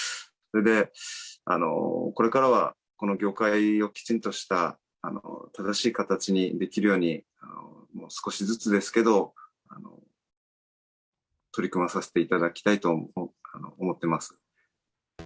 それで、これからはこの業界をきちんとした正しい形にできるように、少しずつですけど、取り組まさせていただきたいと思ってます。